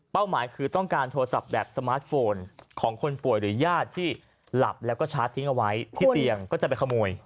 หมายคือต้องการโทรศัพท์แบบสมาร์ทโฟนของคนป่วยหรือญาติที่หลับแล้วก็ชาร์จทิ้งเอาไว้ที่เตียงก็จะไปขโมย